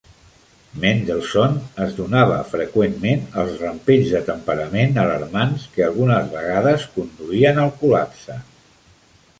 Mendelssohn es donava freqüentment als rampells de temperament alarmants que algunes vegades conduïen al col·lapse.